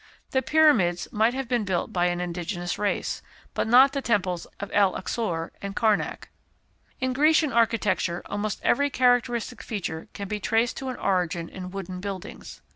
The pyramids might have been built by an indigenous race, but not the temples of El Uksor and Karnak. In Grecian architecture, almost every characteristic feature can be traced to an origin in wooden buildings.